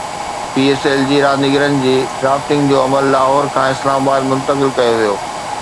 P S L جي رانديگرن جي ڊرافٽنگ جو عمل لاهور کان اسلام آباد منتقل ڪيو ويو